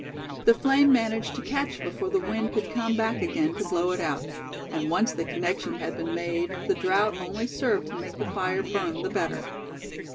The flame managed to catch before the wind could come back again to blow it out; and once the connection had been made, the draught only served to make the fire burn the better.